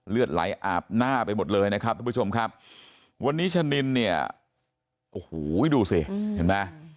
เลือดไหลอาบหน้าไปหมดเลยนะครับทุกผู้ชมครับวันนี้ชะนินเนี่ยโอ้โหดูสิเห็นไหม